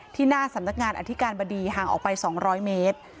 หน้าสำนักงานอธิการบดีห่างออกไป๒๐๐เมตร